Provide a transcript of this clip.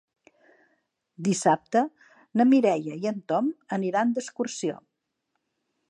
Dissabte na Mireia i en Tom aniran d'excursió.